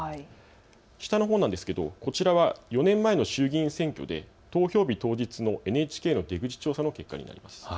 下のほうですがこちらは４年前の衆議院選挙で投票日当日のＮＨＫの出口調査の結果になります。